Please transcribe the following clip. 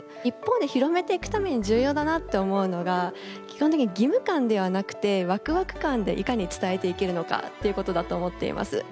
一方で広めていくために重要だなって思うのが基本的に義務感ではなくてワクワク感でいかに伝えていけるのかっていうことだと思っています。